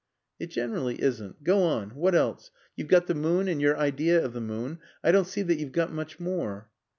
"It generally isn't. Go on. What else? You've got the moon and your idea of the moon. I don't see that you've got much more."